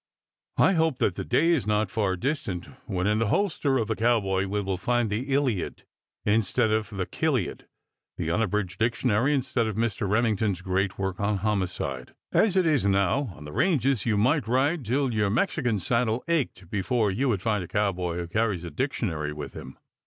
I hope that the day is not far distant when in the holster of the cowboy we will find the Iliad instead of the killiad, the unabridged dictionary instead of Mr. Remington's great work on homicide. As it is now on the ranges you might ride till your Mexican saddle ached before you would find a cowboy who carries a dictionary with him.